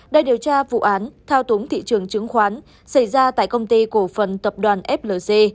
đã điều tra vụ án thao túng thị trường chứng khoán xảy ra tại công ty cổ phần tập đoàn flc